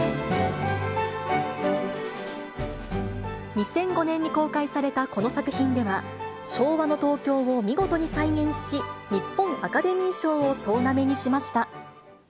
２００５年に公開されたこの作品では、昭和の東京を見事に再現し、日本アカデミー賞を総なめにしました。